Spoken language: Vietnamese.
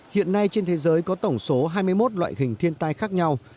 hiện nay trên thế giới có tổng số hai mươi một loại hình thiên tai khác nhau